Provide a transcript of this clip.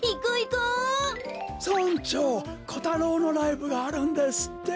コタロウのライブがあるんですって！